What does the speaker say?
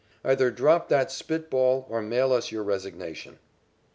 Either drop that spit ball or mail us your resignation."